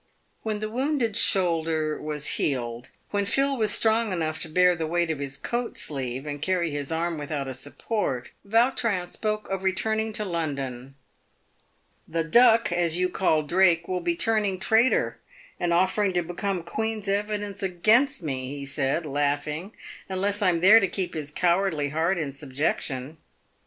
"When the wounded shoulder was healed, when Phil was strong enough to bear the weight of his coat sleeve, and carry his arm with out a support, Yautrin spoke of returning to London. " The Duck, as you call Drake, will be turning traitor, and offering to become Queen's evidence against me," he said, laughing, " unless I'm there to keep his cowardly heart in subjection."